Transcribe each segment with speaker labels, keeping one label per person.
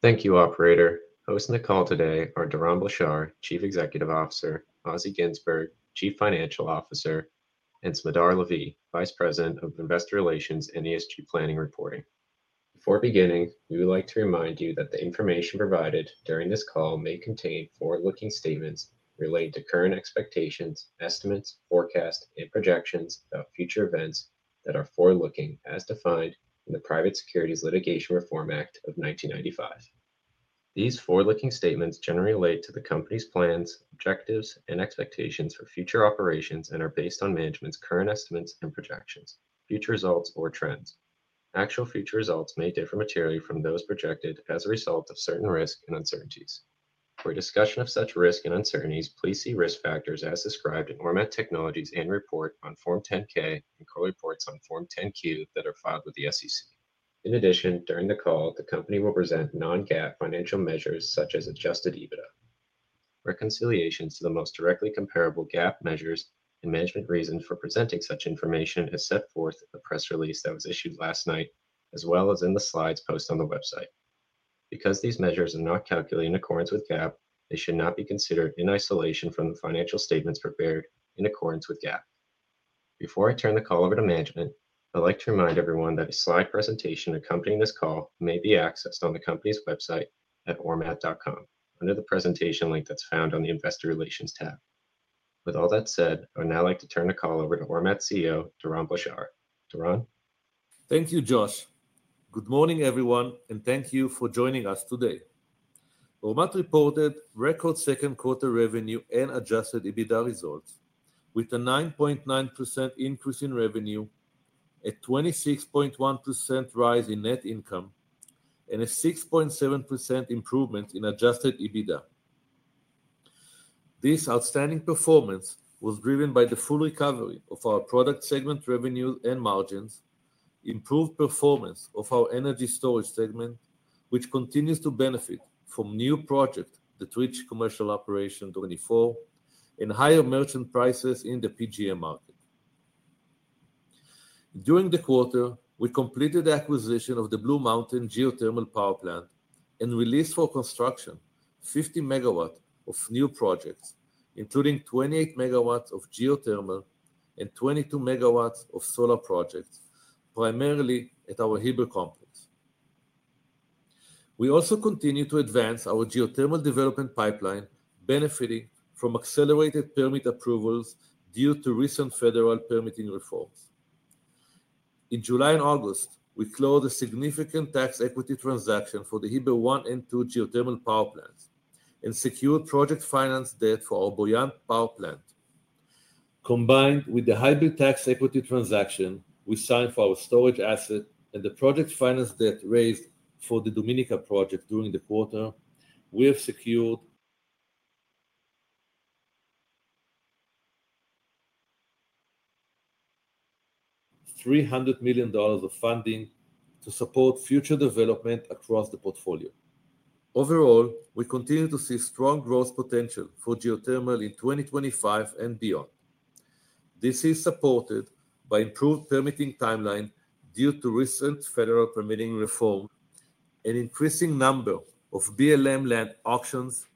Speaker 1: Thank you, Operator. Hosting the call today are Doron Blachar, Chief Executive Officer; Assi Ginzburg, Chief Financial Officer; and Smadar Lavi, Vice President of Investor Relations and ESG Planning Reporting. Before beginning, we would like to remind you that the information provided during this call may contain forward-looking statements relating to current expectations, estimates, forecasts, and projections about future events that are forward-looking, as defined in the Private Securities Litigation Reform Act of 1995. These forward-looking statements generally relate to the company's plans, objectives, and expectations for future operations and are based on management's current estimates and projections. Actual future results may differ materially from those projected as a result of certain risks and uncertainties. For a discussion of such risks and uncertainties, please see risk factors as described in Ormat Technologies' annual report on Form 10-K and core reports on Form 10-Q that are filed with the SEC. In addition, during the call, the company will present non-GAAP financial measures such as adjusted EBITDA. Reconciliations to the most directly comparable GAAP measures and management reasons for presenting such information are set forth in the press release that was issued last night, as well as in the slides posted on the website. Because these measures are not calculated in accordance with GAAP, they should not be considered in isolation from the financial statements prepared in accordance with GAAP. Before I turn the call over to management, I would like to remind everyone that a slide presentation accompanying this call may be accessed on the company's website at ormat.com under the presentation link that's found on the Investor Relations tab. With all that said, I would now like to turn the call over to Ormat CEO, Doron Blachar. Doron.
Speaker 2: Thank you, Josh. Good morning, everyone, and thank you for joining us today. Ormat reported record second-quarter revenue and adjusted EBITDA results, with a 9.9% increase in revenue, a 26.1% rise in net income, and a 6.7% improvement in adjusted EBITDA. This outstanding performance was driven by the full recovery of our product segment revenues and margins, improved performance of our energy storage segment, which continues to benefit from new projects that reach commercial operation in 2024, and higher merchant prices in the PG&E market. During the quarter, we completed the acquisition of the Blue Mountain geothermal power plant and released for construction 50 MW of new projects, including 28 MW of geothermal and 22 MW of solar projects, primarily at our Heber complex. We also continue to advance our geothermal development pipeline, benefiting from accelerated permit approvals due to recent federal permitting reforms. In July and August, we closed a significant tax equity transaction for the Heber 1 & 2 geothermal power plants and secured project finance debt for our (Bouillante) Power Plant. Combined with the hybrid tax equity transaction we signed for our storage assets and the project finance debt raised for the Dominica project during the quarter, we have secured $300 million of funding to support future development across the portfolio. Overall, we continue to see strong growth potential for geothermal in 2025 and beyond. This is supported by improved permitting timeline due to recent federal permitting reform and an increasing number of (BLM) land auctions,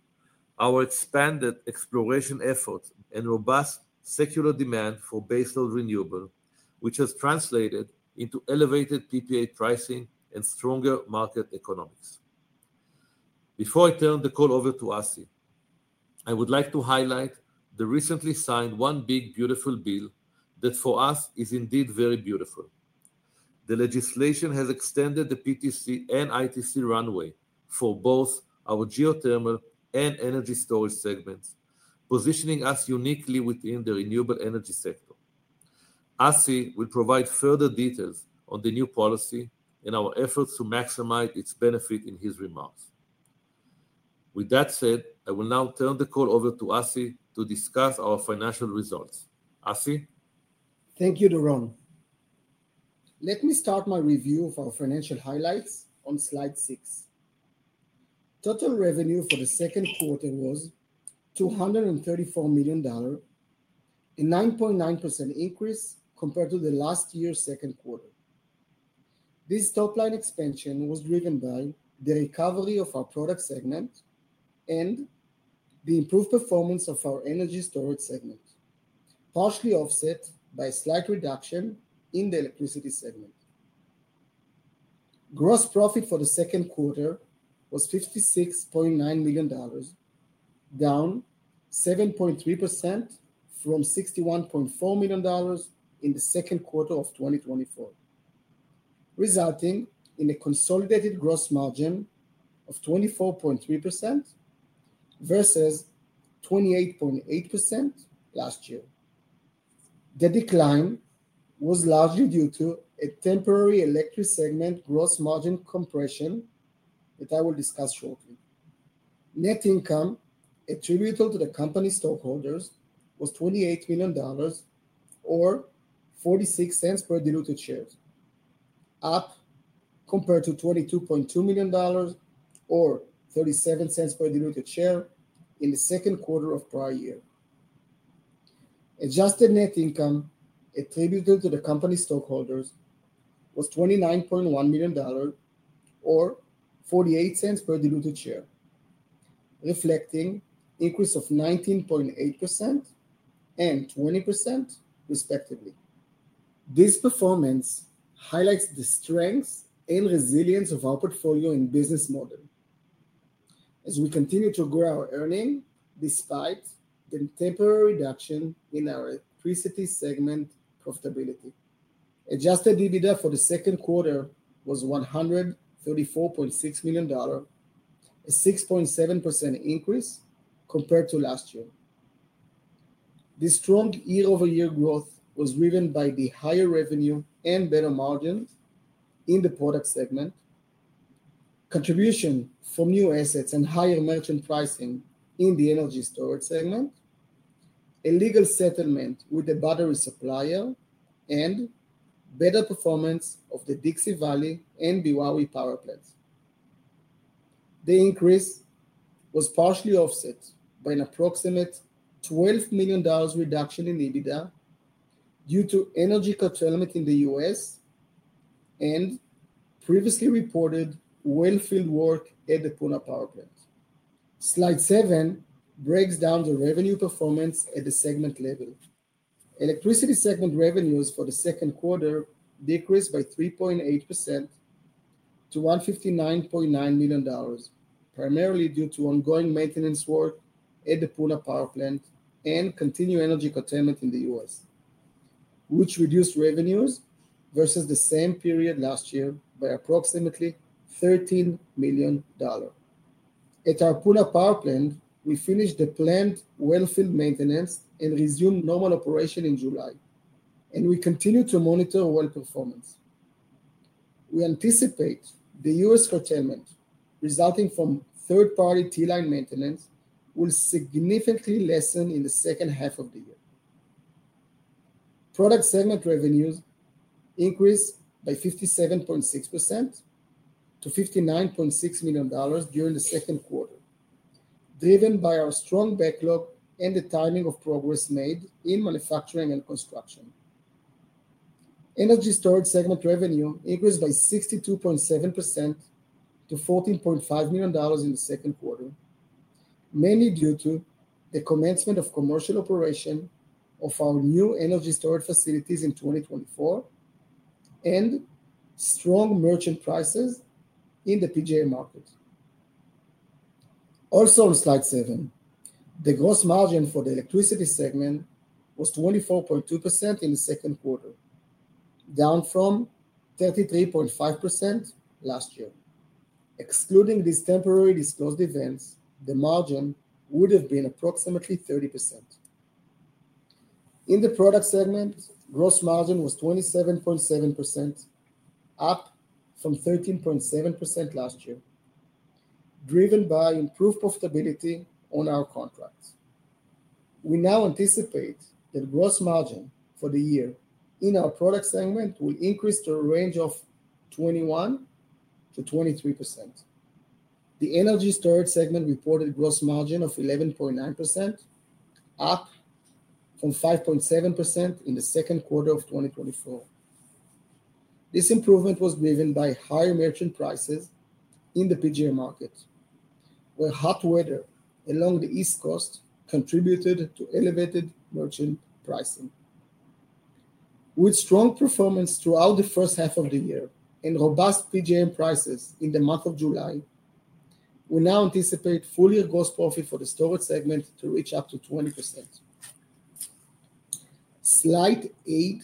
Speaker 2: our expanded exploration efforts, and robust secular demand for baseload renewable, which has translated into elevated PPA pricing and stronger market economics. Before I turn the call over to Assi, I would like to highlight the recently signed One Big Beautiful Bill that for us is indeed very beautiful. The legislation has extended the PTC and ITC runway for both our geothermal and energy storage segments, positioning us uniquely within the renewable energy sector. Assi will provide further details on the new policy and our efforts to maximize its benefit in his remarks. With that said, I will now turn the call over to Assi to discuss our financial results. Assi?
Speaker 3: Thank you, Doron. Let me start my review of our financial highlights on slide six. Total revenue for the second quarter was $234 million, a 9.9% increase compared to last year's second quarter. This top-line expansion was driven by the recovery of our product segment and the improved performance of our energy storage segment, partially offset by a slight reduction in the electricity segment. Gross profit for the second quarter was $56.9 million, down 7.3% from $61.4 million in the second quarter of 2024, resulting in a consolidated gross margin of 24.3% versus 28.8% last year. The decline was largely due to a temporary electricity segment gross margin compression that I will discuss shortly. Net income attributable to the company stockholders was $28 million, or $0.46 per diluted share, up compared to $22.2 million, or $0.37 per diluted share in the second quarter of prior year. Adjusted net income attributable to the company stockholders was $29.1 million, or $0.48 per diluted share, reflecting an increase of 19.8% and 20%, respectively. This performance highlights the strength and resilience of our portfolio and business model. As we continue to grow our earnings, despite the temporary reduction in our electricity segment profitability, adjusted EBITDA for the second quarter was $134.6 million, a 6.7% increase compared to last year. This strong year-over-year growth was driven by the higher revenue and better margins in the product segment, contribution from new assets and higher merchant pricing in the energy storage segment, a legal settlement with the battery supplier, and better performance of the Dixie Valley and Bawi Power Plants. The increase was partially offset by an approximate $12 million reduction in EBITDA due to energy curtailment in the U.S. and previously reported well-field work at the Puna Power Plant. Slide seven breaks down the revenue performance at the segment level. Electricity segment revenues for the second quarter decreased by 3.8% to $159.9 million, primarily due to ongoing maintenance work at the Puna Power Plant and continued energy curtailment in the U.S., which reduced revenues versus the same period last year by approximately $13 million. At our Puna Power Plant, we finished the plant well-field maintenance and resumed normal operation in July, and we continue to monitor well performance. We anticipate the U.S. curtailment resulting from third-party T-line maintenance will significantly lessen in the second half of the year. Product segment revenues increased by 57.6% to $59.6 million during the second quarter, driven by our strong backlog and the timing of progress made in manufacturing and construction. Energy storage segment revenue increased by 62.7% to $14.5 million in the second quarter, mainly due to the commencement of commercial operation of our new energy storage facilities in 2024 and strong merchant prices in the PG&E market. Also on slide seven, the gross margin for the electricity segment was 24.2% in the second quarter, down from 33.5% last year. Excluding these temporary disclosed events, the margin would have been approximately 30%. In the product segment, gross margin was 27.7%, up from 13.7% last year, driven by improved profitability on our contracts. We now anticipate that gross margin for the year in our product segment will increase to a range of 21%-23%. The energy storage segment reported a gross margin of 11.9%, up from 5.7% in the second quarter of 2024. This improvement was driven by higher merchant prices in the PG&E market, where hot weather along the East Coast contributed to elevated merchant pricing. With strong performance throughout the first half of the year and robust PG&E prices in the month of July, we now anticipate full-year gross profit for the storage segment to reach up to 20%. Slide eight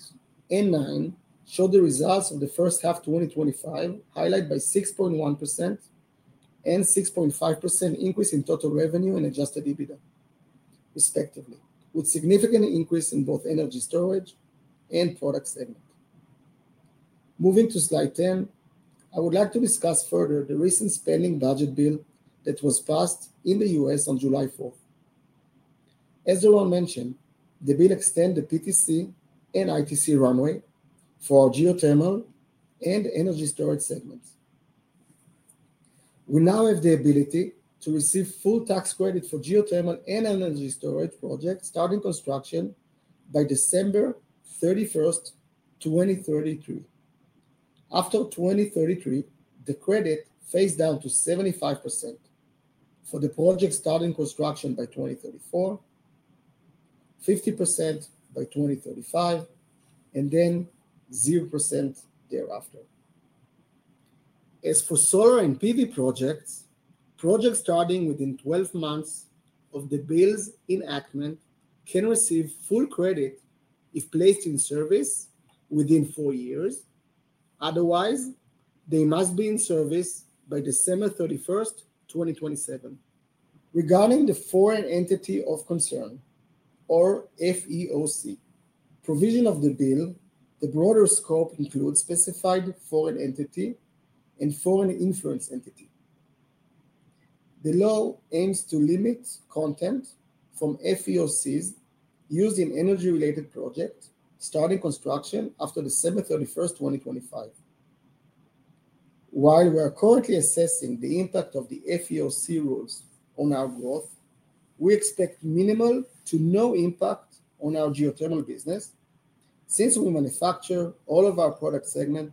Speaker 3: and nine show the results of the first half of 2025, highlighted by 6.1% and 6.5% increase in total revenue and adjusted EBITDA, respectively, with significant increase in both energy storage and product segment. Moving to slide ten, I would like to discuss further the recent spending budget bill that was passed in the U.S. on July 4th. As Doron mentioned, the bill extends the PTC and ITC runway for our geothermal and energy storage segments. We now have the ability to receive full tax credit for geothermal and energy storage projects starting construction by December 31st, 2033. After 2033, the credit phased down to 75% for the projects starting construction by 2034, 50% by 2035, and then 0% thereafter. As for solar and PV projects, projects starting within 12 months of the bill's enactment can receive full credit if placed in service within four years. Otherwise, they must be in service by December 31st, 2027. Regarding the Foreign Entity Of Concern, or FEOC, provision of the bill, a broader scope includes specified foreign entity and foreign influence entity. The law aims to limit content from FEOCs used in energy-related projects starting construction after December 31st, 2025. While we are currently assessing the impact of the FEOC rules on our growth, we expect minimal to no impact on our geothermal business since we manufacture all of our product segments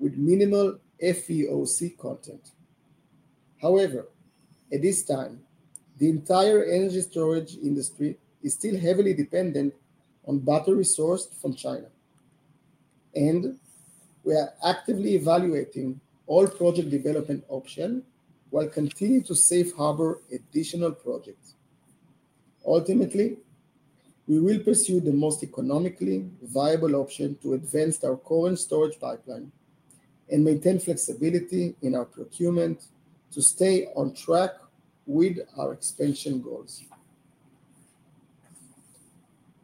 Speaker 3: with minimal FEOC content. However, at this time, the entire energy storage industry is still heavily dependent on battery sources from China, and we are actively evaluating all project development options while continuing to safe harbor additional projects. Ultimately, we will pursue the most economically viable option to advance our current storage pipeline and maintain flexibility in our procurement to stay on track with our expansion goals.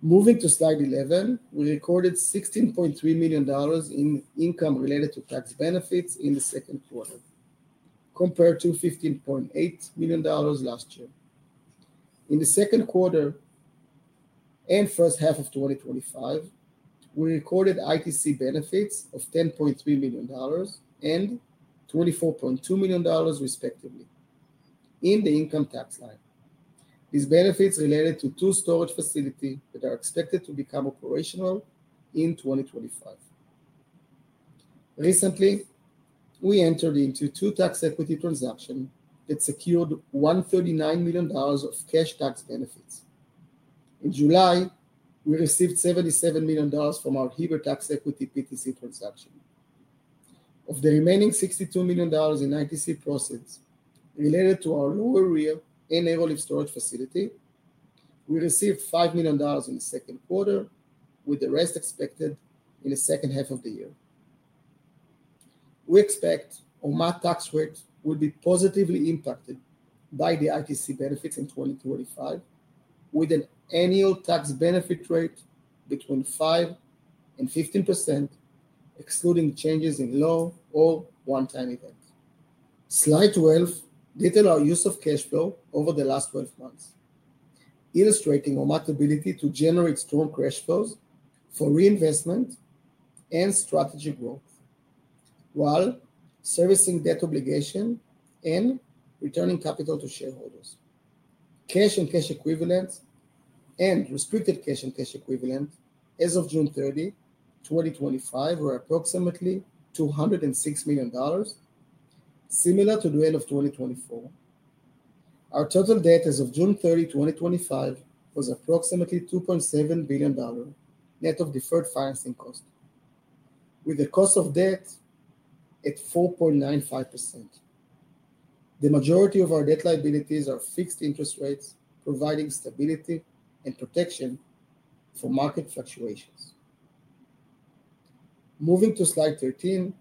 Speaker 3: Moving to slide 11, we recorded $16.3 million in income related to tax benefits in the second quarter, compared to $15.8 million last year. In the second quarter and first half of 2025, we recorded ITC benefits of $10.3 million and $24.2 million, respectively, in the income tax line. These benefits are related to two storage facilities that are expected to become operational in 2025. Recently, we entered into two tax equity transactions that secured $139 million of cash tax benefits. In July, we received $77 million from our Heber tax equity PTC transaction. Of the remaining $62 million in ITC process related to our Lower Rio and Arrowleaf storage facility, we received $5 million in the second quarter, with the rest expected in the second half of the year. We expect Ormat tax rates will be positively impacted by the ITC benefits in 2025, with an annual tax benefit rate between 5% and 15%, excluding changes in law or one-time events. Slide 12 details our use of cash flow over the last 12 months, illustrating Ormat's ability to generate strong cash flows for reinvestment and strategic growth, while servicing debt obligations and returning capital to shareholders. Cash and cash equivalents and restricted cash and cash equivalents as of June 30, 2025, were approximately $206 million, similar to the end of 2024. Our total debt as of June 30, 2025, was approximately $2.7 billion net of deferred financing costs, with a cost of debt at 4.95%. The majority of our debt liabilities are fixed interest rates, providing stability and protection from market fluctuations. Moving to slide 13,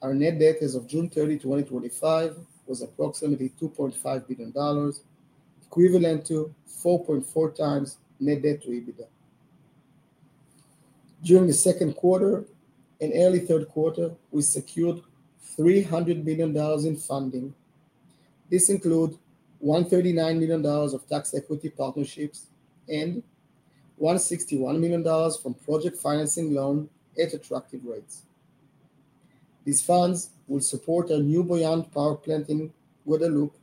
Speaker 3: our net debt as of June 30, 2025, was approximately $2.5 billion, equivalent to 4.4x net debt to EBITDA. During the second quarter and early third quarter, we secured $300 million in funding. This includes $139 million of tax equity partnerships and $161 million from project financing loans at attractive rates. These funds will support our new Bouillante Power Plant in Guadalupe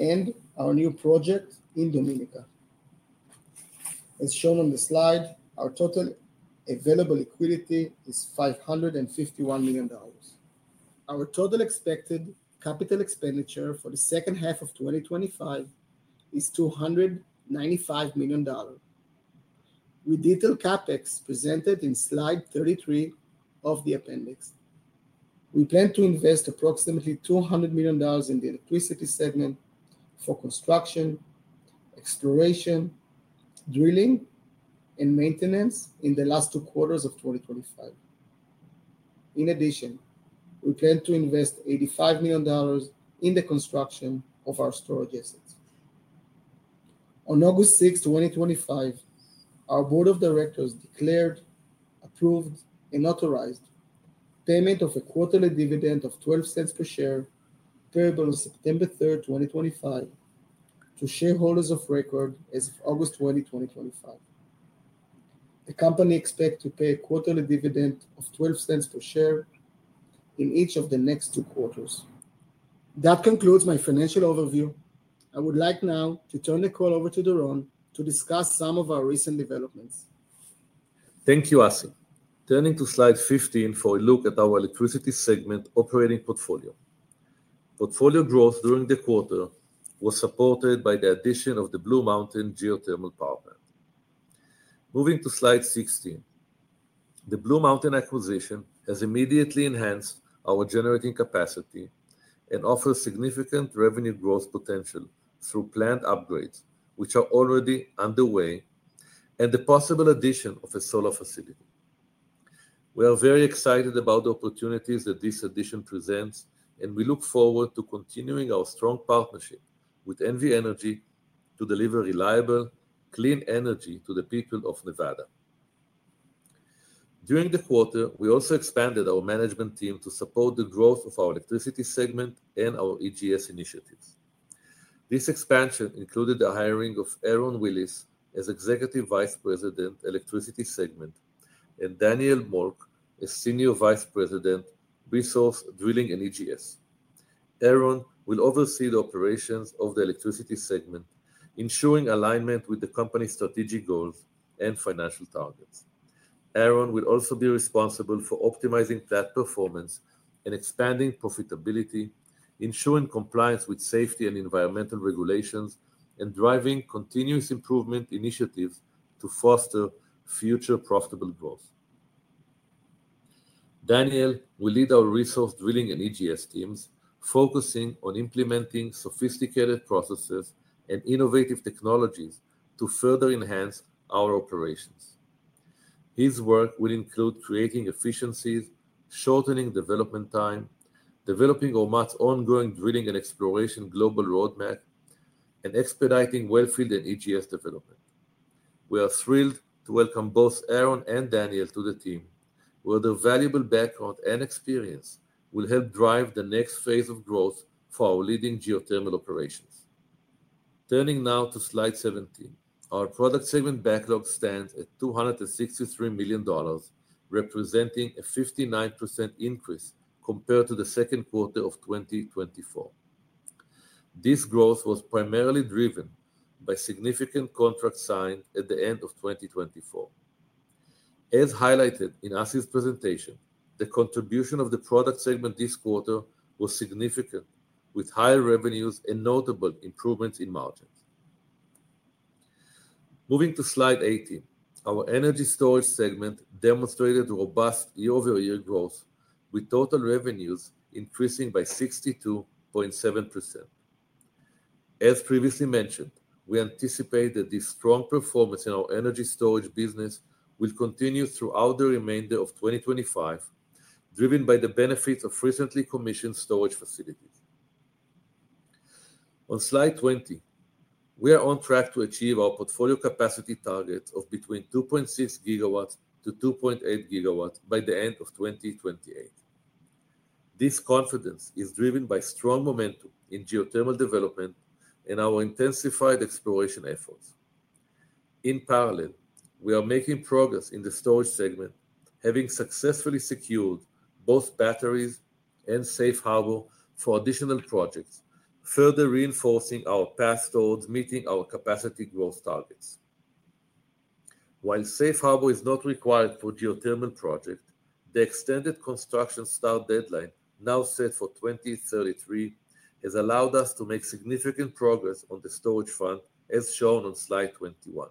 Speaker 3: and our new project in Dominica. As shown on the slide, our total available liquidity is $551 million. Our total expected capital expenditure for the second half of 2025 is $295 million. We detail CapEx presented in slide 33 of the appendix. We plan to invest approximately $200 million in the electricity segment for construction, exploration, drilling, and maintenance in the last two quarters of 2025. In addition, we plan to invest $85 million in the construction of our storage assets. On August 6th, 2025, our Board of Directors declared, approved, and authorized the payment of a quarterly dividend of $0.12 per share, payable on September 3rd, 2025, to shareholders of record as of August 20, 2025. The company expects to pay a quarterly dividend of $0.12 per share in each of the next two quarters. That concludes my financial overview. I would like now to turn the call over to Doron to discuss some of our recent developments.
Speaker 2: Thank you, Assi. Turning to slide 15 for a look at our electricity segment operating portfolio. Portfolio growth during the quarter was supported by the addition of the Blue Mountain geothermal power plant. Moving to slide 16, the Blue Mountain acquisition has immediately enhanced our generating capacity and offers significant revenue growth potential through planned upgrades, which are already underway, and the possible addition of a solar facility. We are very excited about the opportunities that this addition presents, and we look forward to continuing our strong partnership with NV Energy to deliver reliable, clean energy to the people of Nevada. During the quarter, we also expanded our management team to support the growth of our electricity segment and our EGS initiatives. This expansion included the hiring of Aron Willis as Executive Vice President, Electricity Segment, and Daniel Moelk as Senior Vice President, Resource, Drilling, and EGS. Aron will oversee the operations of the electricity segment, ensuring alignment with the company's strategic goals and financial targets. Aron will also be responsible for optimizing plant performance and expanding profitability, ensuring compliance with safety and environmental regulations, and driving continuous improvement initiatives to foster future profitable growth. Daniel will lead our resource drilling and EGS teams, focusing on implementing sophisticated processes and innovative technologies to further enhance our operations. His work will include creating efficiencies, shortening development time, developing Ormat's ongoing drilling and exploration global roadmap, and expediting well-field and EGS development. We are thrilled to welcome both Aron and Daniel to the team, where their valuable background and experience will help drive the next phase of growth for our leading geothermal operations. Turning now to slide 17, our product segment backlog stands at $263 million, representing a 59% increase compared to the second quarter of 2024. This growth was primarily driven by significant contracts signed at the end of 2024. As highlighted in Assi's presentation, the contribution of the product segment this quarter was significant, with higher revenues and notable improvements in margins. Moving to slide 18, our energy storage segment demonstrated robust year-over-year growth, with total revenues increasing by 62.7%. As previously mentioned, we anticipate that this strong performance in our energy storage business will continue throughout the remainder of 2025, driven by the benefits of recently commissioned storage facilities. On slide 20, we are on track to achieve our portfolio capacity target of between 2.6 GW-2.8 GW by the end of 2028. This confidence is driven by strong momentum in geothermal development and our intensified exploration efforts. In parallel, we are making progress in the storage segment, having successfully secured both batteries and safe-harbored battery supply for additional projects, further reinforcing our path towards meeting our capacity growth targets. While safe-harbored battery supply is not required for geothermal projects, the extended construction start deadline, now set for 2033, has allowed us to make significant progress on the storage fund, as shown on slide 21.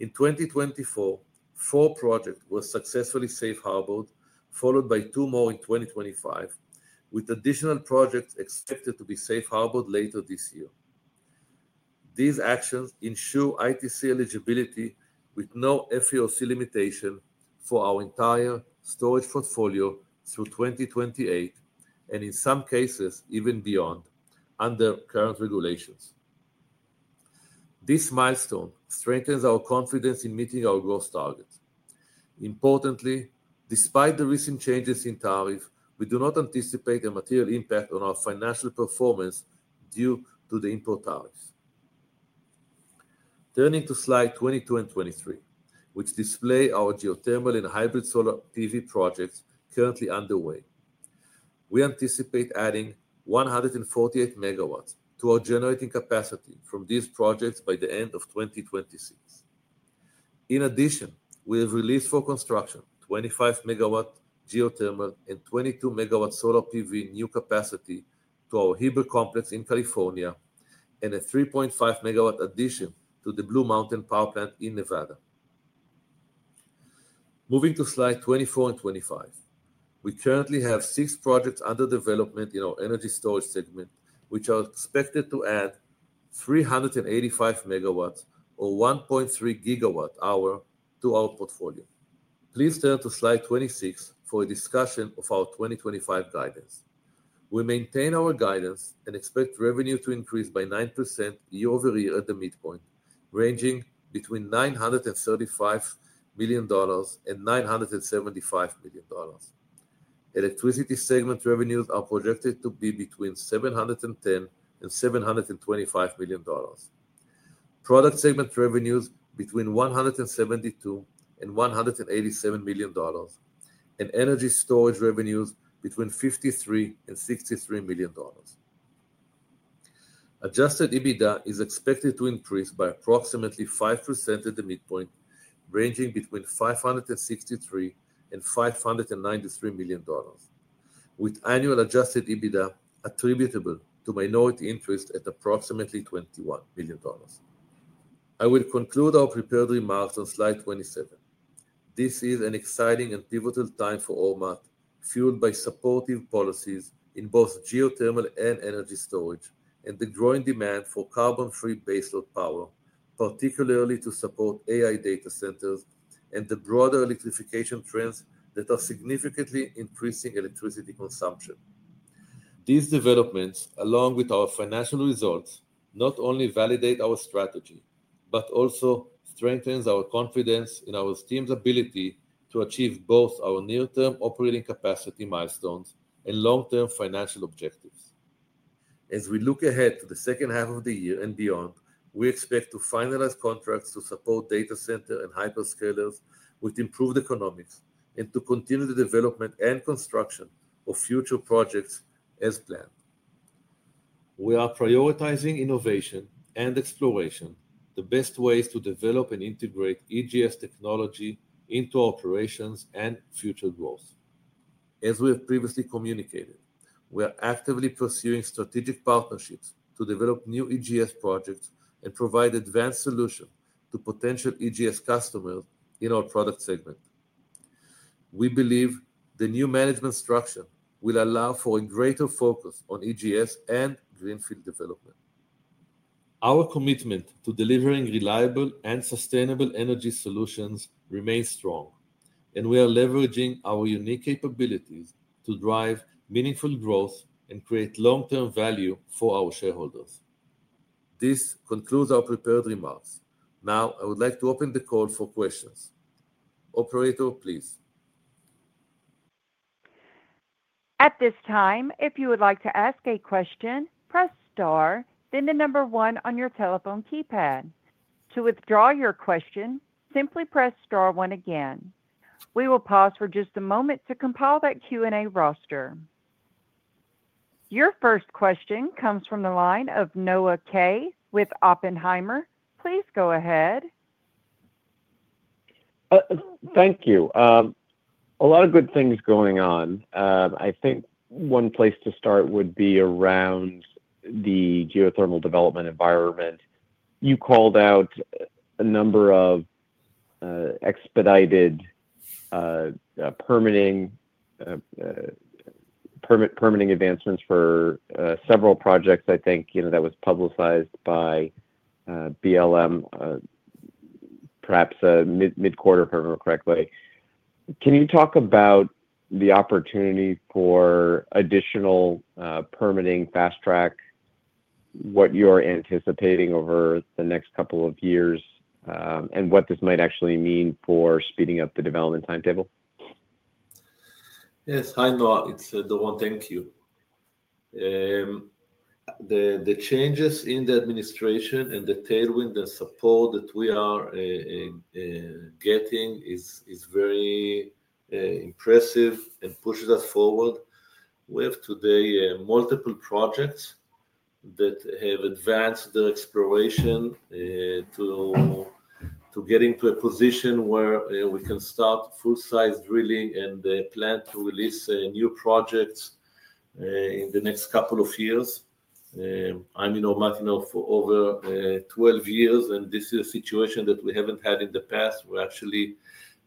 Speaker 2: In 2024, four projects were successfully safe harbored, followed by two more in 2025, with additional projects expected to be safe harbored later this year. These actions ensure ITC eligibility with no FEOC limitation for our entire storage portfolio through 2028, and in some cases, even beyond, under current regulations. This milestone strengthens our confidence in meeting our growth targets. Importantly, despite the recent changes in tariffs, we do not anticipate a material impact on our financial performance due to the import tariffs. Turning to slide 22 and 23, which display our geothermal and hybrid Solar PV projects currently underway, we anticipate adding 148 MW to our generating capacity from these projects by the end of 2026. In addition, we have released for construction 25 MW geothermal and 22 MW Solar PV new capacity to our Heber complex in California and a 3.5 MW addition to the Blue Mountain geothermal power plant in Nevada. Moving to slide 24 and 25, we currently have six projects under development in our energy storage segment, which are expected to add 385 MW or 1.3 GWh to our portfolio. Please turn to slide 26 for a discussion of our 2025 guidance. We maintain our guidance and expect revenue to increase by 9% year-over-year at the midpoint, ranging between $935 million and $975 million. Electricity segment revenues are projected to be between $710 million and $725 million, product segment revenues between $172 million and $187 million, and energy storage revenues between $53 million and $63 million. Adjusted EBITDA is expected to increase by approximately 5% at the midpoint, ranging between $563 million and $593 million, with annual adjusted EBITDA attributable to minority interest at approximately $21 million. I will conclude our prepared remarks on slide 27. This is an exciting and pivotal time for Ormat, fueled by supportive policies in both geothermal and energy storage and the growing demand for carbon-free baseload power, particularly to support AI data centers and the broader electrification trends that are significantly increasing electricity consumption. These developments, along with our financial results, not only validate our strategy but also strengthen our confidence in our team's ability to achieve both our near-term operating capacity milestones and long-term financial objectives. As we look ahead to the second half of the year and beyond, we expect to finalize contracts to support data center and hyperscalers with improved economics and to continue the development and construction of future projects as planned. We are prioritizing innovation and exploration, the best ways to develop and integrate EGS technology into operations and future growth. As we have previously communicated, we are actively pursuing strategic partnerships to develop new EGS projects and provide advanced solutions to potential EGS customers in our product segment. We believe the new management structure will allow for a greater focus on EGS and greenfield development. Our commitment to delivering reliable and sustainable energy solutions remains strong, and we are leveraging our unique capabilities to drive meaningful growth and create long-term value for our shareholders. This concludes our prepared remarks. Now, I would like to open the call for questions. Operator, please.
Speaker 4: At this time, if you would like to ask a question, press star, then the number one on your telephone keypad. To withdraw your question, simply press star one again. We will pause for just a moment to compile that Q&A roster. Your first question comes from the line of Noah Kaye with Oppenheimer. Please go ahead.
Speaker 5: Thank you. A lot of good things going on. I think one place to start would be around the geothermal development environment. You called out a number of expedited permitting advancements for several projects. I think that was publicized by BLM, perhaps mid-quarter, if I remember correctly. Can you talk about the opportunity for additional permitting fast track, what you're anticipating over the next couple of years, and what this might actually mean for speeding up the development timetable?
Speaker 2: Yes, hi Noah. It's Doron. Thank you. The changes in the administration and the tailwind and support that we are getting is very impressive and pushes us forward. We have today multiple projects that have advanced the exploration to get into a position where we can start full-size drilling and plan to release new projects in the next couple of years. I'm in Ormat now for over 12 years, and this is a situation that we haven't had in the past. We're actually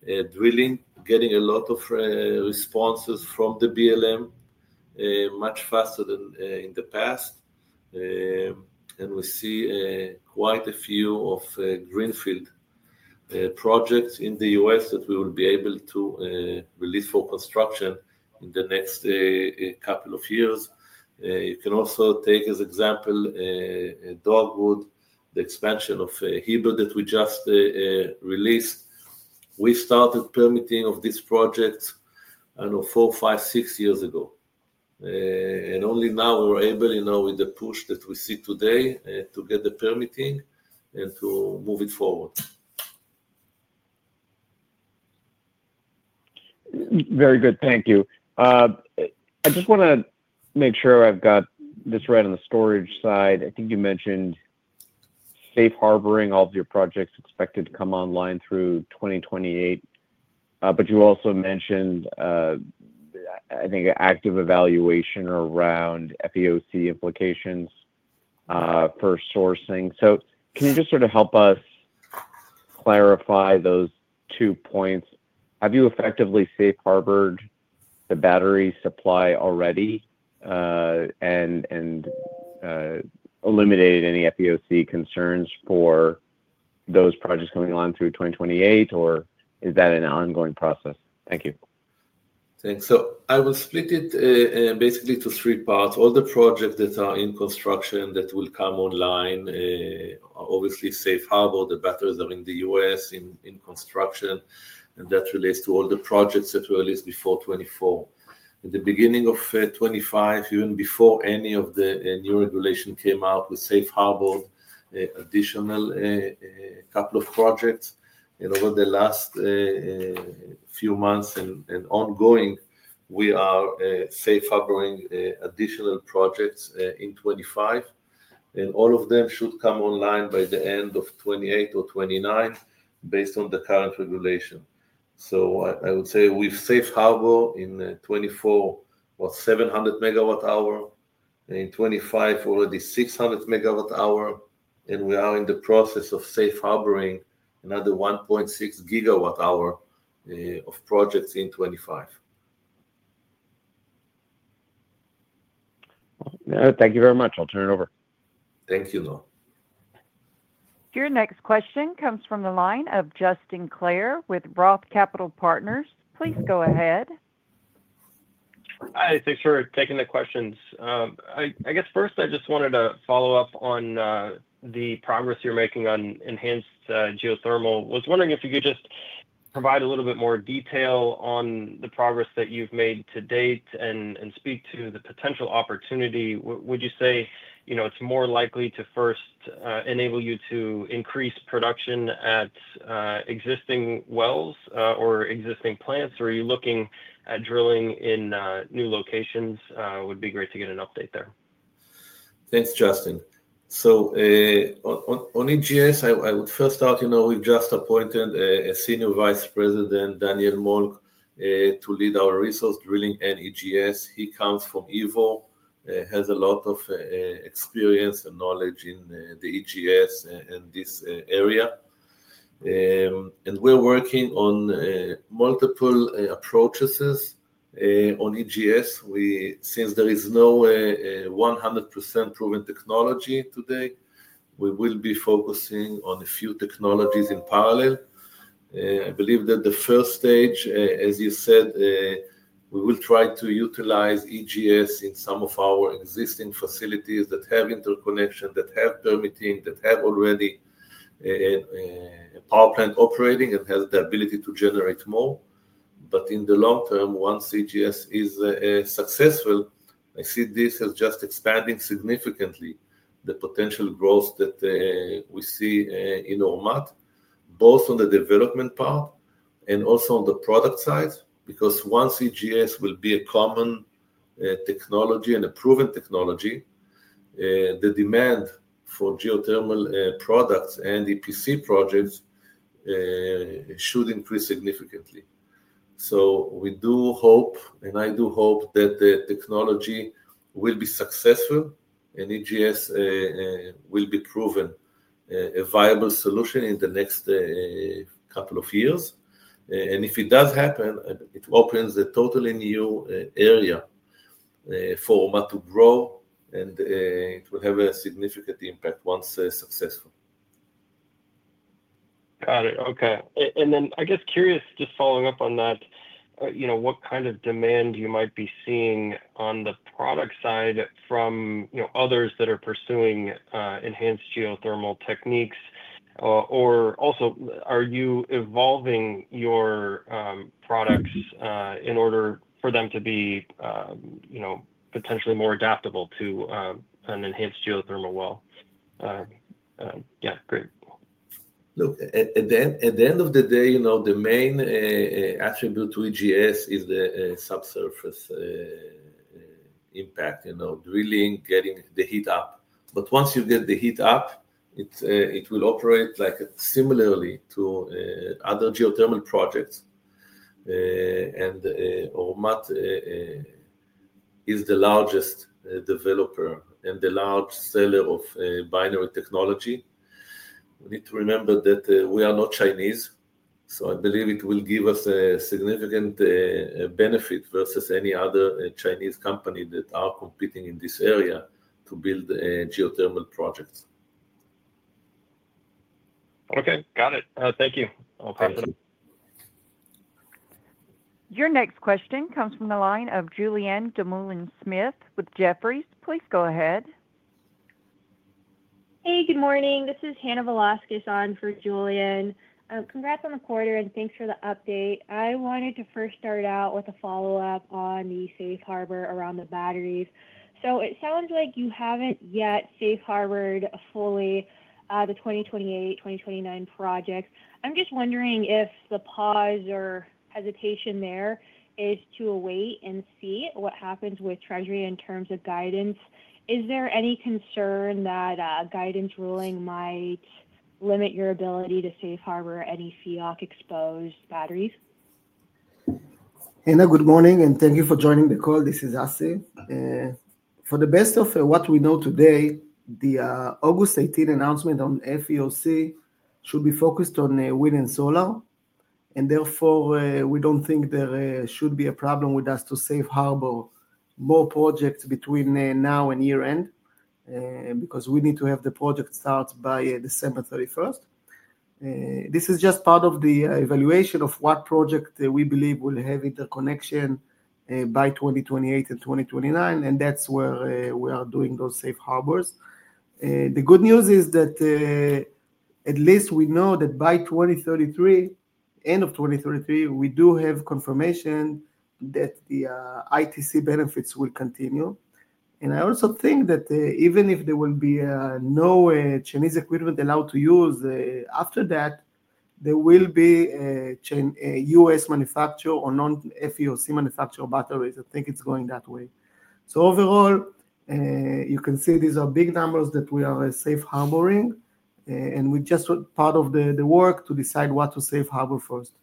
Speaker 2: drilling, getting a lot of responses from the BLM much faster than in the past. We see quite a few of greenfield projects in the U.S. that we will be able to release for construction in the next couple of years. You can also take as an example Dogwood, the expansion of Heber that we just released. We started permitting of these projects, I don't know, four, five, six years ago. Only now we're able, with the push that we see today, to get the permitting and to move it forward.
Speaker 5: Very good. Thank you. I just want to make sure I've got this right on the storage side. I think you mentioned safe harboring all of your projects expected to come online through 2028. You also mentioned, I think, an active evaluation around FEOC implications for sourcing. Can you just sort of help us clarify those two points? Have you effectively safe harbored the battery supply already and eliminated any FEOC concerns for those projects coming on through 2028, or is that an ongoing process? Thank you.
Speaker 2: Thanks. I will split it basically into three parts. All the projects that are in construction that will come online are obviously safe harbored. The batteries are in the U.S. in construction, and that relates to all the projects that were released before 2024. At the beginning of 2025, even before any of the new regulations came out, we safe harbored additional a couple of projects. Over the last few months and ongoing, we are safe harboring additional projects in 2025, and all of them should come online by the end of 2028 or 2029 based on the current regulation. I would say we've safe harbored in 2024 about 700 MWh, in 2025 already 600 MWh, and we are in the process of safe harboring another 1.6 GWh of projects in 2025.
Speaker 5: Thank you very much. I'll turn it over.
Speaker 2: Thank you, Noah.
Speaker 4: Your next question comes from the line of Justin Clare with ROTH Capital Partners. Please go ahead.
Speaker 6: All right, sure, taking the questions. I guess first I just wanted to follow up on the progress you're making on enhanced geothermal. I was wondering if you could just provide a little bit more detail on the progress that you've made to date and speak to the potential opportunity. Would you say it's more likely to first enable you to increase production at existing wells or existing plants, or are you looking at drilling in new locations? It would be great to get an update there.
Speaker 2: Thanks, Justin. On EGS, I would first start, we've just appointed a Senior Vice President, Daniel Moelk, to lead our resource drilling at EGS. He comes from Eavor, has a lot of experience and knowledge in EGS and this area. We're working on multiple approaches on EGS. Since there is no 100% proven technology today, we will be focusing on a few technologies in parallel. I believe that the first stage, as you said, we will try to utilize EGS in some of our existing facilities that have interconnection, that have permitting, that already have a power plant operating and have the ability to generate more. In the long term, once EGS is successful, I see this as just expanding significantly the potential growth that we see in Ormat, both on the development part and also on the product side, because once EGS will be a common technology and a proven technology, the demand for geothermal products and EPC projects should increase significantly. We do hope, and I do hope, that the technology will be successful and EGS will be proven a viable solution in the next couple of years. If it does happen, it opens a totally new area for Ormat to grow, and it will have a significant impact once successful.
Speaker 6: Got it. Okay. I guess curious, just following up on that, what kind of demand you might be seeing on the product side from others that are pursuing enhanced geothermal techniques? Also, are you evolving your products in order for them to be potentially more adaptable to an enhanced geothermal well? Yeah, great.
Speaker 2: At the end of the day, the main attribute to EGS is the subsurface impact, drilling, getting the heat up. Once you get the heat up, it will operate similarly to other geothermal projects. Ormat is the largest developer and the large seller of binary technology. We need to remember that we are not Chinese. I believe it will give us a significant benefit versus any other Chinese company that are competing in this area to build geothermal projects.
Speaker 6: Okay. Got it. Thank you.
Speaker 4: Your next question comes from the line of Julien Dumoulin-Smith with Jefferies. Please go ahead.
Speaker 7: Hey, good morning. This is Hannah Velásquez on for Julianne. Congrats on the quarter and thanks for the update. I wanted to first start out with a follow-up on the safe harbor around the batteries. It sounds like you haven't yet safe harbored fully the 2028, 2029 projects. I'm just wondering if the pause or hesitation there is to wait and see what happens with Treasury in terms of guidance. Is there any concern that guidance ruling might limit your ability to safe harbor any FEOC-exposed batteries?
Speaker 3: Hannah, good morning, and thank you for joining the call. This is Assi. For the best of what we know today, the August 18 announcement on FEOC should be focused on wind and solar. Therefore, we don't think there should be a problem with us to safe harbor more projects between now and year-end because we need to have the project start by December 31st. This is just part of the evaluation of what project we believe will have interconnection by 2028 and 2029, and that's where we are doing those safe harbors. The good news is that at least we know that by the end of 2033, we do have confirmation that the ITC benefits will continue. I also think that even if there will be no Chinese equipment allowed to use after that, there will be a U.S. manufacturer or non-FEOC manufacturer batteries.
Speaker 2: I think it's going that way. Overall, you can see these are big numbers that we are safe harboring, and we're just part of the work to decide what to safe harbor first.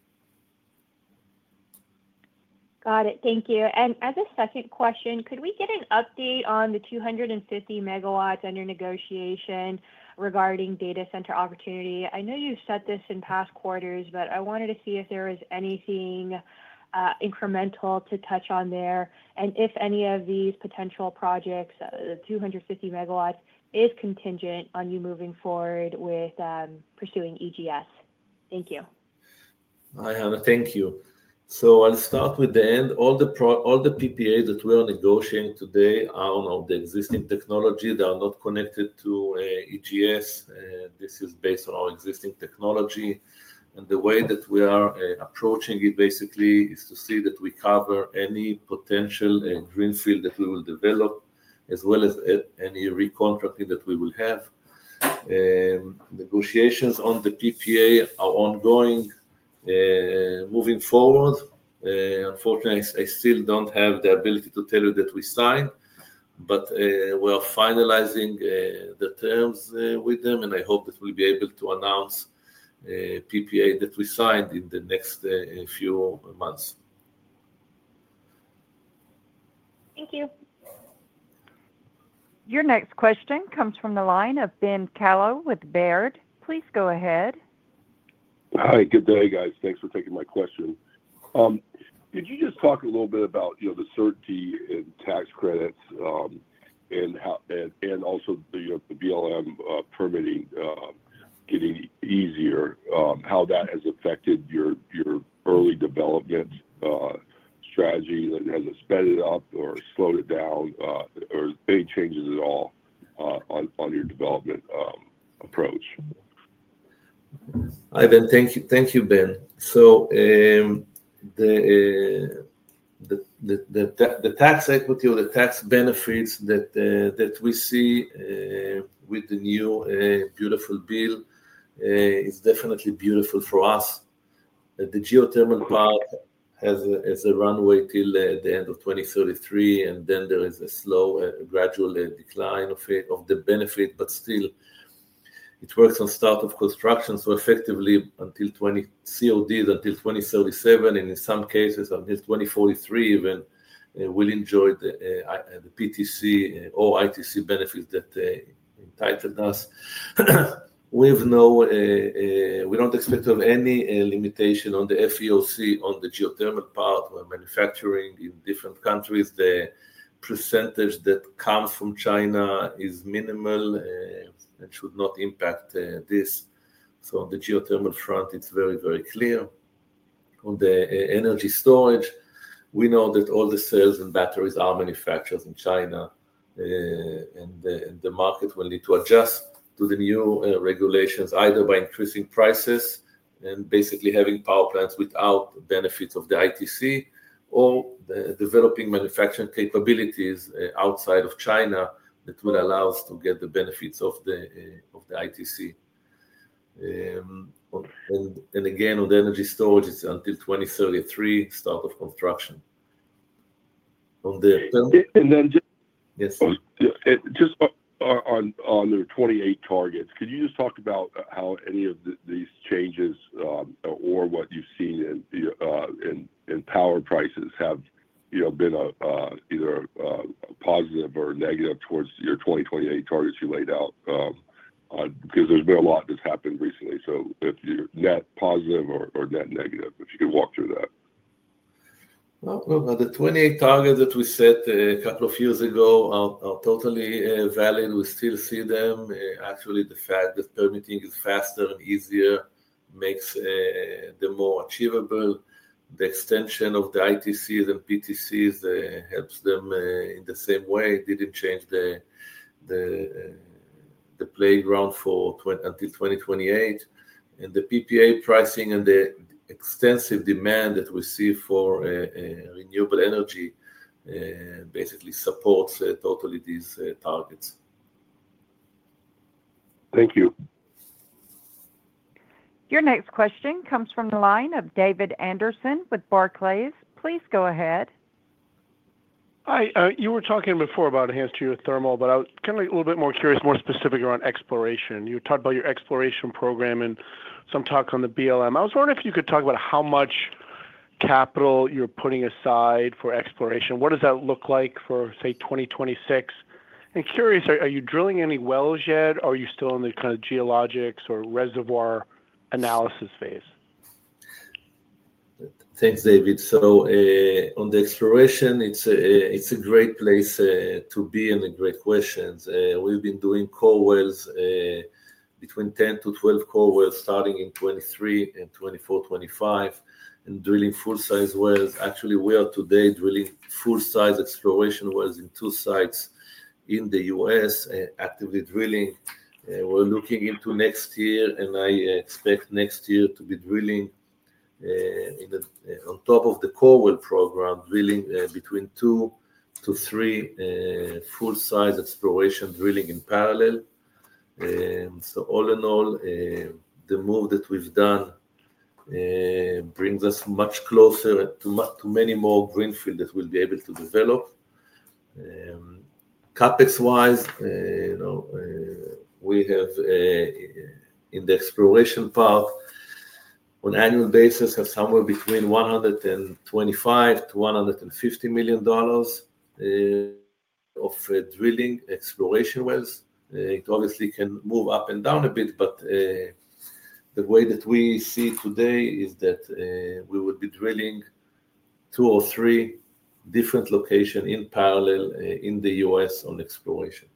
Speaker 7: Got it. Thank you. As a second question, could we get an update on the 250 MW under negotiation regarding data center opportunity? I know you've said this in past quarters, but I wanted to see if there was anything incremental to touch on there, and if any of these potential projects, the 250 MW, is contingent on you moving forward with pursuing EGS. Thank you.
Speaker 2: Hi, Hannah. Thank you. I'll start with the end. All the PPA that we are negotiating today are on the existing technology. They are not connected to EGS. This is based on our existing technology. The way that we are approaching it basically is to see that we cover any potential greenfield that we will develop, as well as any recontracting that we will have. Negotiations on the PPA are ongoing, moving forward. Unfortunately, I still don't have the ability to tell you that we signed, but we are finalizing the terms with them, and I hope that we'll be able to announce PPA that we signed in the next few months.
Speaker 7: Thank you.
Speaker 4: Your next question comes from the line of Ben Kallo with Baird. Please go ahead.
Speaker 8: Hi. Good day, guys. Thanks for taking my question. Could you just talk a little bit about the certainty in tax credits and how, also, the BLM permitting getting easier, how that has affected your early development strategy, that it hasn't sped it up or slowed it down, or any changes at all on your development approach?
Speaker 2: Hi, Ben. Thank you. Thank you, Ben. The tax equity or the tax benefits that we see with the new beautiful bill is definitely beautiful for us. The geothermal power has a runway till the end of 2033, and then there is a slow, gradual decline of the benefit, but still, it works on start-up construction. Effectively, CODs until 2037, and in some cases until 2043, even we'll enjoy the PTC or ITC benefits that entitled us. We have no, we don't expect to have any limitation on the FEOC on the geothermal part. We're manufacturing in different countries. The percentage that comes from China is minimal. It should not impact this. On the geothermal front, it's very, very clear. On the energy storage, we know that all the cells and batteries are manufactured in China, and the market will need to adjust to the new regulations, either by increasing prices and basically having power plants without benefits of the ITC or developing manufacturing capabilities outside of China that will allow us to get the benefits of the ITC. Again, on the energy storage, it's until 2033, start of construction.
Speaker 8: Could you just talk about how any of these changes or what you've seen in power prices have been either positive or negative towards your 2028 targets you laid out? There has been a lot that's happened recently. If you're net positive or net negative, if you could walk through that.
Speaker 2: The 2028 targets that we set a couple of years ago are totally valid. We still see them. Actually, the fact that permitting is faster and easier makes them more achievable. The extension of the ITCs and PTCs helps them in the same way. It didn't change the playground until 2028. The PPA pricing and the extensive demand that we see for renewable energy basically supports totally these targets.
Speaker 8: Thank you.
Speaker 4: Your next question comes from the line of David Anderson with Barclays. Please go ahead.
Speaker 9: Hi. You were talking before about enhanced geothermal, but I'm kind of a little bit more curious, more specific around exploration. You talked about your exploration program and some talks on the BLM. I was wondering if you could talk about how much capital you're putting aside for exploration. What does that look like for, say, 2026? Curious, are you drilling any wells yet, or are you still in the kind of geologics or reservoir analysis phase?
Speaker 2: Thanks, David. On the exploration, it's a great place to be and a great question. We've been doing core wells, between 10-12 core wells, starting in 2023 and 2024, 2025, and drilling full-size wells. Actually, we are today drilling full-size exploration wells in two sites in the U.S., actively drilling. We're looking into next year, and I expect next year to be drilling on top of the core well program, drilling between two to three full-size exploration drillings in parallel. All in all, the move that we've done brings us much closer to many more greenfields that we'll be able to develop. CapEx-wise, we have in the exploration part, on an annual basis, somewhere between $125 million-$150 million of drilling exploration wells. It obviously can move up and down a bit, but the way that we see today is that we would be drilling two or three different locations in parallel in the U.S. on exploration.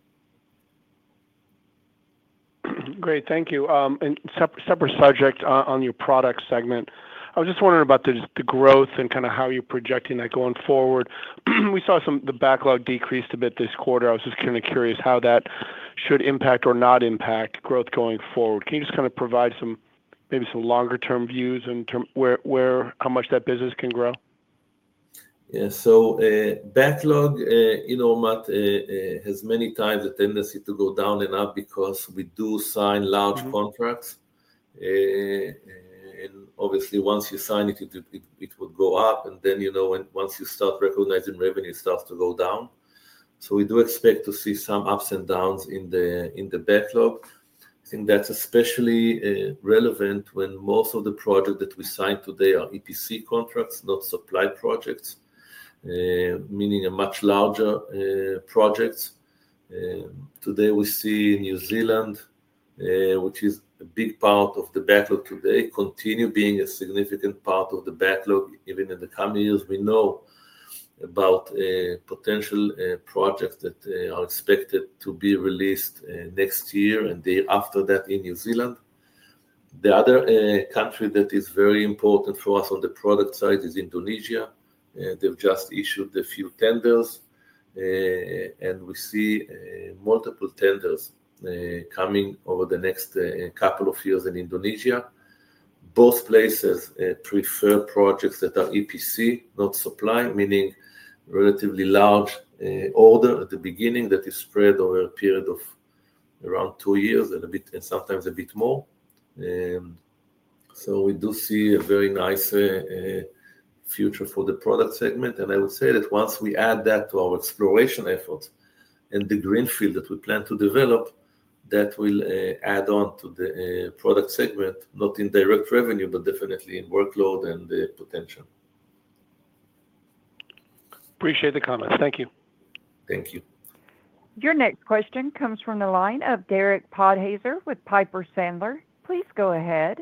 Speaker 9: Great. Thank you. On your product segment, I was just wondering about the growth and kind of how you're projecting that going forward. We saw some of the backlog decreased a bit this quarter. I was just kind of curious how that should impact or not impact growth going forward. Can you just kind of provide maybe some longer-term views in terms of how much that business can grow?
Speaker 2: Yeah. Backlog, you know, has many times a tendency to go down and up because we do sign large contracts. Obviously, once you sign it, it would go up, and then, you know, once you start recognizing revenue, it starts to go down. We do expect to see some ups and downs in the backlog. I think that's especially relevant when most of the projects that we signed today are EPC contracts, not supply projects, meaning a much larger project. Today, we see New Zealand, which is a big part of the backlog today, continue being a significant part of the backlog, even in the coming years. We know about potential projects that are expected to be released next year and the year after that in New Zealand. The other country that is very important for us on the product side is Indonesia. They've just issued a few tenders, and we see multiple tenders coming over the next couple of years in Indonesia. Both places prefer projects that are EPC, not supply, meaning relatively large order at the beginning that is spread over a period of around two years and a bit and sometimes a bit more. We do see a very nice future for the product segment, and I would say that once we add that to our exploration efforts and the greenfield that we plan to develop, that will add on to the product segment, not in direct revenue, but definitely in workload and potential.
Speaker 9: Appreciate the comment. Thank you.
Speaker 2: Thank you.
Speaker 4: Your next question comes from the line of Derek Podhaizer with Piper Sandler. Please go ahead.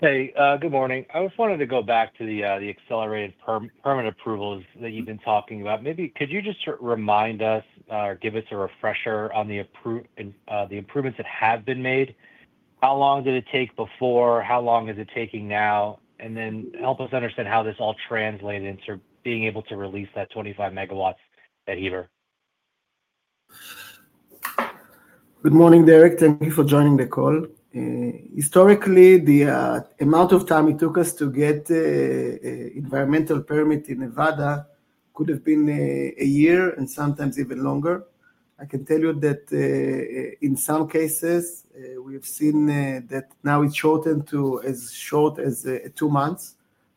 Speaker 10: Hey, good morning. I was wanting to go back to the accelerated permit approvals that you've been talking about. Maybe could you just remind us or give us a refresher on the improvements that have been made? How long did it take before, how long is it taking now? Help us understand how this all translates into being able to release that 25 MW at Heber.
Speaker 3: Good morning, Derek. Thank you for joining the call. Historically, the amount of time it took us to get an environmental permit in Nevada could have been a year and sometimes even longer. I can tell you that in some cases, we have seen that now it's shortened to as short as two months.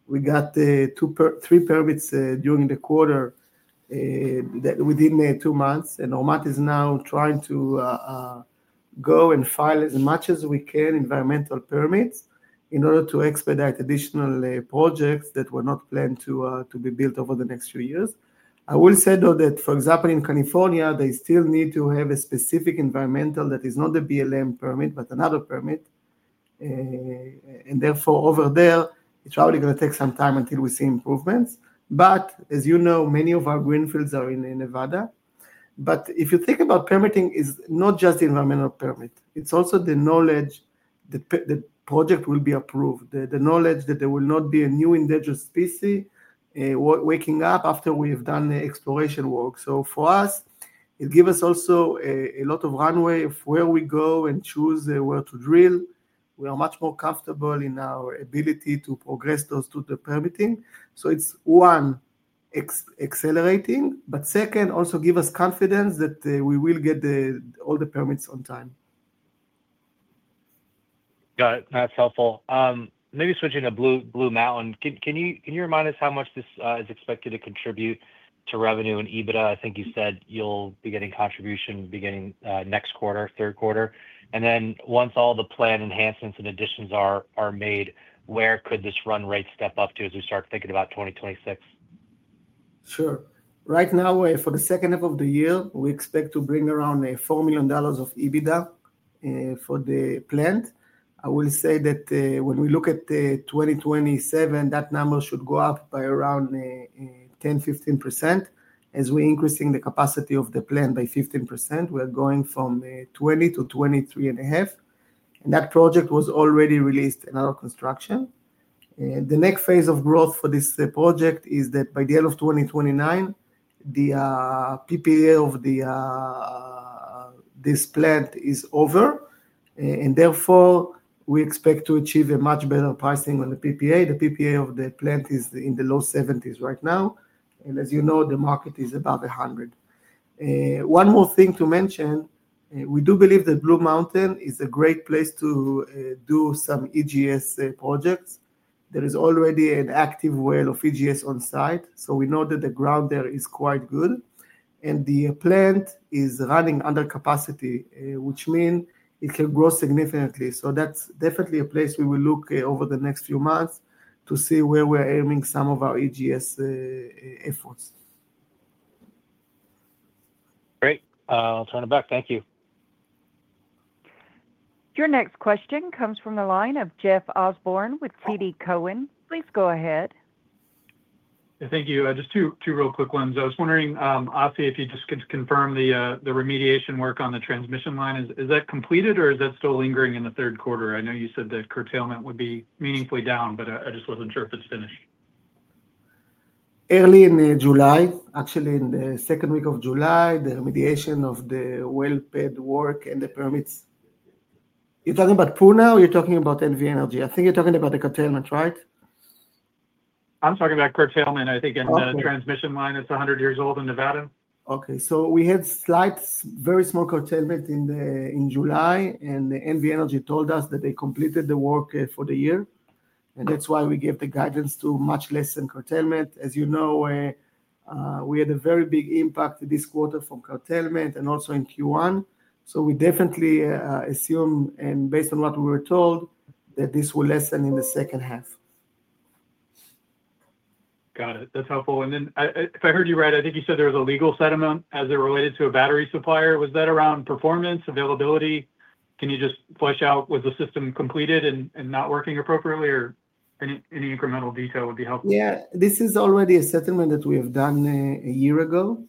Speaker 3: We got three permits during the quarter within two months, and Ormat is now trying to go and file as much as we can environmental permits in order to expedite additional projects that were not planned to be built over the next few years. I will say, though, that for example, in California, they still need to have a specific environmental that is not the BLM permit, but another permit. Therefore, over there, it's probably going to take some time until we see improvements. As you know, many of our greenfields are in Nevada. If you think about permitting, it's not just the environmental permit. It's also the knowledge that the project will be approved, the knowledge that there will not be a new endangered species waking up after we have done the exploration work. For us, it gives us also a lot of runway of where we go and choose where to drill. We are much more comfortable in our ability to progress those to the permitting. It's one, accelerating, but second, also gives us confidence that we will get all the permits on time.
Speaker 10: Got it. That's helpful. Maybe switching to Blue Mountain, can you remind us how much this is expected to contribute to revenue and EBITDA? I think you said you'll be getting contribution beginning next quarter, third quarter. Once all the planned enhancements and additions are made, where could this run rate step up to as we start thinking about 2026?
Speaker 3: Sure. Right now, for the second half of the year, we expect to bring around $4 million of EBITDA for the plant. I will say that when we look at 2027, that number should go up by around 10%-15% as we're increasing the capacity of the plant by 15%. We're going from 20%-23.5%. That project was already released and under construction. The next phase of growth for this project is that by the end of 2029, the PPA of this plant is over. Therefore, we expect to achieve a much better pricing on the PPA. The PPA of the plant is in the low $70s/MWh right now, and as you know, the market is above $100/MWh. One more thing to mention, we do believe that Blue Mountain is a great place to do some EGS projects. There is already an active well of EGS on site. We know that the ground there is quite good, and the plant is running under capacity, which means it will grow significantly. That's definitely a place we will look over the next few months to see where we're aiming some of our EGS efforts.
Speaker 10: Great. I'll turn it back. Thank you.
Speaker 4: Your next question comes from the line of Jeff Osborne with TD Cowen. Please go ahead.
Speaker 11: Thank you. Just two real quick ones. I was wondering, Assi, if you just could confirm the remediation work on the transmission line. Is that completed or is that still lingering in the third quarter? I know you said that curtailment would be meaningfully down, but I just wasn't sure if it's finished.
Speaker 3: Early in July, actually, in the second week of July, the remediation of the well-paired work and the permits. You're talking about pool now or you're talking about NV Energy? I think you're talking about the curtailment, right?
Speaker 11: I'm talking about curtailment. I think in the transmission line, it's 100 years old in Nevada.
Speaker 3: Okay. We had slight, very small curtailment in July, and NV Energy told us that they completed the work for the year. That's why we gave the guidance to much lessen curtailment. As you know, we had a very big impact this quarter from curtailment and also in Q1. We definitely assume, and based on what we were told, that this will lessen in the second half.
Speaker 11: Got it. That's helpful. If I heard you right, I think you said there was a legal settlement as it related to a battery supplier. Was that around performance, availability? Can you just flesh out, was the system completed and not working appropriately, or any incremental detail would be helpful?
Speaker 3: Yeah. This is already a settlement that we have done a year ago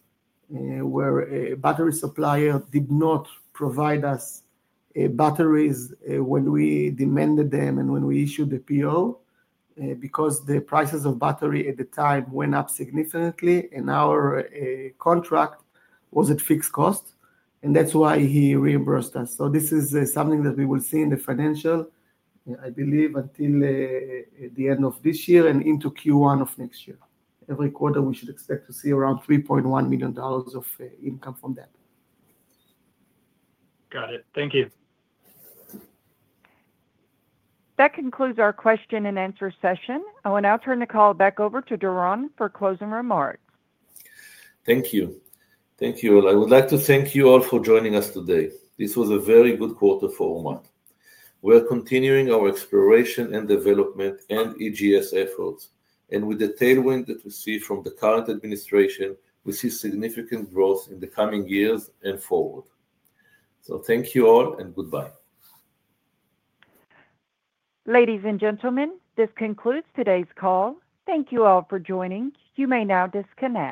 Speaker 3: where a battery supplier did not provide us batteries when we demanded them and when we issued the PO because the prices of battery at the time went up significantly, and our contract was at fixed cost. That is why he reimbursed us. This is something that we will see in the financials, I believe, until the end of this year and into Q1 of next year. Every quarter, we should expect to see around $3.1 million of income from that.
Speaker 11: Got it. Thank you.
Speaker 4: That concludes our question and answer session. I will now turn the call back over to Doron for closing remarks.
Speaker 2: Thank you. Thank you all. I would like to thank you all for joining us today. This was a very good quarter for Ormat. We are continuing our exploration, development, and EGS efforts. With the tailwind that we see from the current administration, we see significant growth in the coming years and forward. Thank you all and goodbye.
Speaker 4: Ladies and gentlemen, this concludes today's call. Thank you all for joining. You may now disconnect.